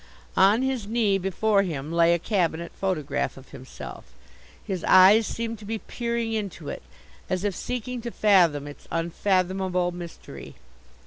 On his knee before him lay a cabinet photograph of himself. His eyes seemed to be peering into it, as if seeking to fathom its unfathomable mystery.